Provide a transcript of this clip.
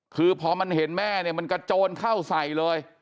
คือพอมันเห็นแม่เนี่ยมันกระโจนเข้าใส่เลย